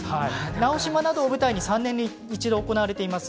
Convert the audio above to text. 直島などを舞台に３年に一度行われています